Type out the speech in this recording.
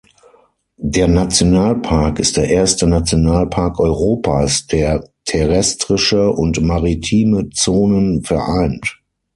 Der Nationalpark ist der erste Nationalpark Europas, der terrestrische und maritime Zonen vereint.